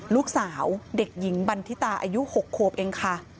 ลูกสาวเด็กหญิงบันทิตาอายุ๖ขวบเองค่ะ